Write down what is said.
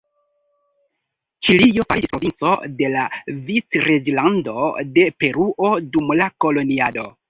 Ĉilio fariĝis provinco de la Vicreĝlando de Peruo dum la koloniado.